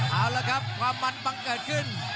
เอาละครับความมันบังเกิดขึ้น